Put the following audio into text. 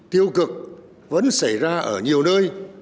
tiêu cực vẫn xảy ra ở nhiều nơi